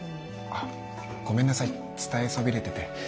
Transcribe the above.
あっごめんなさい伝えそびれてて。